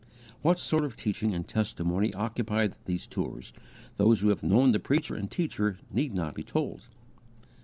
What sort of teaching and testimony occupied these tours, those who have known the preacher and teacher need not be told.